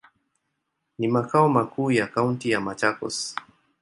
Ni makao makuu ya kaunti ya Machakos.